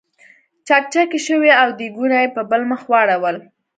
چکچکې شوې او دیګونه یې په بل مخ واړول.